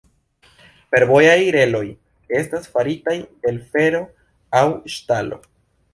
Fervojaj reloj estas faritaj el fero aŭ ŝtalo.